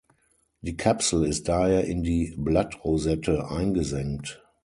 Die Kapsel ist daher in die Blattrosette eingesenkt.